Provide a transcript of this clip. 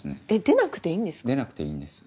出なくていいんです。